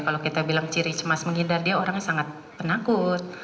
kalau kita bilang ciri cemas menghindar dia orangnya sangat penakut